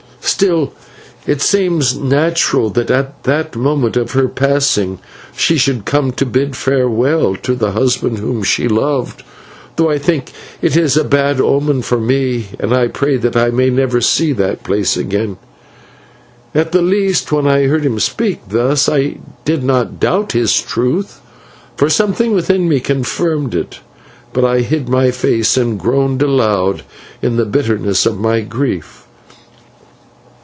"Still, it seems natural that at that moment of her passing she should come to bid farewell to the husband whom she loved, though I think it is a bad omen for me, and I pray that I may never see that place again. At the least, when I heard him speak thus I did not doubt his truth, for something within me confirmed it, but I hid my face and groaned aloud in the bitterness of my grief.